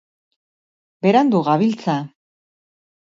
Berandu gabiltza.